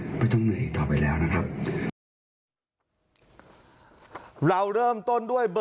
และก็มีการกินยาละลายริ่มเลือดแล้วก็ยาละลายขายมันมาเลยตลอดครับ